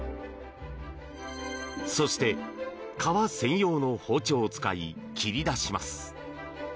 そして、革専用の包丁を使い切り出します。